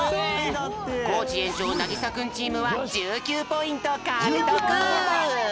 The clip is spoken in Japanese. コージ園長なぎさくんチームは１９ポイントかくとく！